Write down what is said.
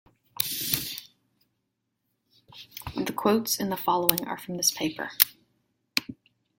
The quotes in the following are from this paper.